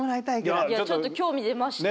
いやちょっと興味出ました。